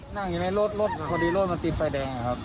นั่งอยู่ในรถแล้วพอดีรถมาติดไฟแดงครับ